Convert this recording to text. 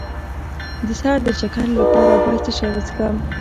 د سر د چکر لپاره باید څه شی وڅښم؟